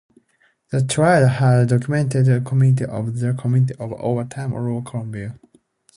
The tribe had documented continuity of their community over time on the lower Columbia.